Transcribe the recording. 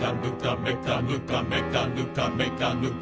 「めかぬかめかぬかめかぬか」